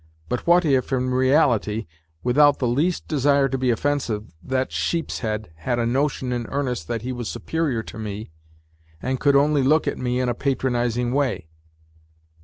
But what if, in reality, without the least desire to be offensive, that sheepshead had a notion in earnest that he was superior to me and could only look at me in a patronizing way